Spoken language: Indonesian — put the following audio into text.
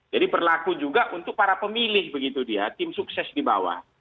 jadi berlaku juga untuk para pemilih begitu dia tim sukses di bawah